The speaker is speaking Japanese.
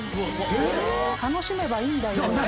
楽しめばいいんだよ。